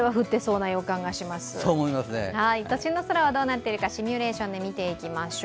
都心の空はどうなっているかシミュレーションで見てみましょう。